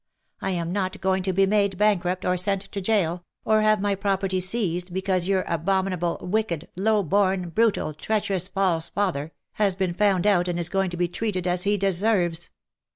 I am not going to be made bankrupt, or sent to jail, or have my property seized, because your abominable, wicked, low born, brutal, treacherous, false father, has been found out, and is going to be treated as he deserves.